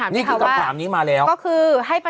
เนี่ยประชาชนถามของเขาว่า